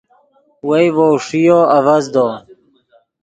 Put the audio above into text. وئے ڤؤ ݰیو آڤزدو